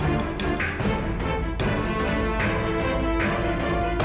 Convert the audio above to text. aduh buka bantalnya dong